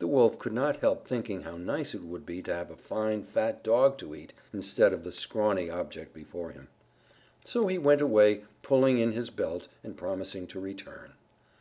The Wolf could not help thinking how nice it would be to have a fine fat Dog to eat instead of the scrawny object before him. So he went away pulling in his belt and promising to return.